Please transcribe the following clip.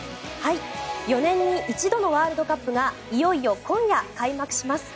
４年に一度のワールドカップがいよいよ今夜開幕します。